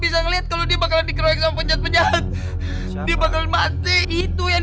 selamat berdua teman teman